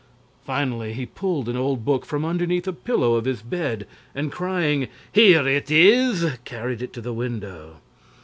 Finally he pulled an old book from underneath the pillow of his bed, and crying, "Here it is!" carried it to the window.